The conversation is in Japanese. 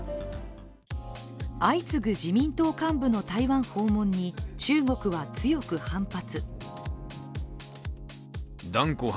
相次ぐ自民党幹部の台湾訪問に中国は強く反発。